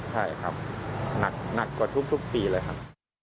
ใช่ครับหนักกว่าทุกปีเลยครับ